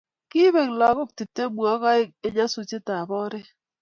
kipek lakok tiptemu ak aeng en nyasutiet ab oret